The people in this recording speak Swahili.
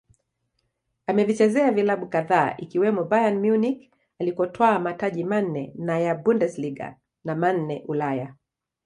Amevichezea vilabu kadhaa ikiwemo Bayern Munich alikotwaa mataji manne ya Bundersliga na manne Ulaya